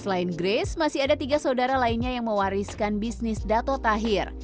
selain grace masih ada tiga saudara lainnya yang mewariskan bisnis dato tahir